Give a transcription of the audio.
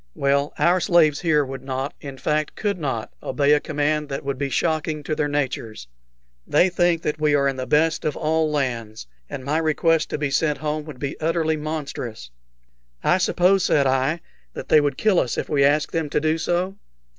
"Well, our slaves here would not in fact could not obey a command that would be shocking to their natures. They think that we are in the best of all lands, and my request to be sent home would be utterly monstrous." "I suppose," said I, "they would kill us if we asked them to do so?"